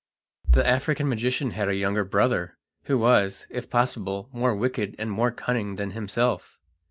The African magician had a younger brother, who was, if possible, more wicked and more cunning than himself.